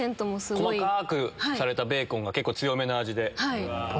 細かくされたベーコンが結構強めな味で。